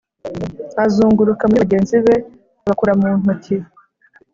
azunguruka muri bagenzi be abakora mu ntoki,